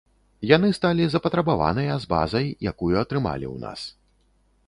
Яны сталі запатрабаваныя з базай, якую атрымалі ў нас.